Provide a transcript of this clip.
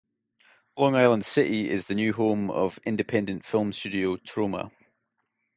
Long Island City is the new home of independent film studio Troma.